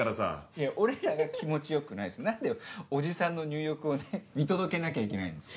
いや俺らが気持ち良くないです何でおじさんの入浴をね見届けなきゃいけないんですか？